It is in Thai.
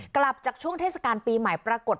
กลับจากช่วงเทศกาลปีใหม่ปรากฏ